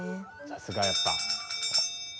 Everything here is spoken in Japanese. さすがやっぱ。